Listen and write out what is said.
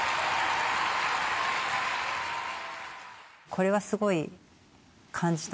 これはすごい感じたのは。